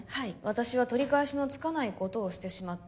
「私は取り返しのつかないことをしてしまった」